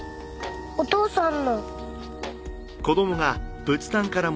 お父さんの。